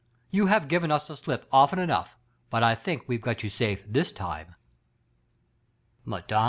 You have given us the slip often enough, but I think we've got you safe this time." Mme.